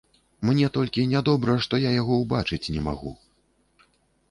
Мне толькі нядобра, што я яго ўбачыць не магу.